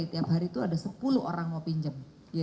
tiap hari itu ada sepuluh orang mau pinjam